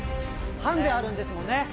ハンデあるんですもんね。